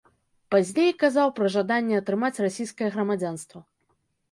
Пазней казаў пра жаданне атрымаць расійскае грамадзянства.